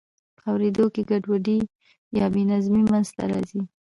په اوریدو کې ګډوډي یا بې نظمي منځ ته راځي.